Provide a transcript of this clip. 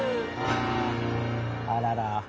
あらら。